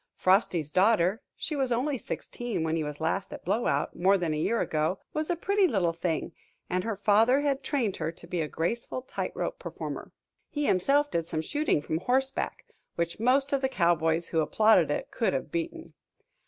Frosty's daughter she was only sixteen when he was last at Blowout, more than a year ago was a pretty little thing, and her father had trained her to be a graceful tight rope performer. He himself did some shooting from horseback, which most of the cowboys who applauded it could have beaten.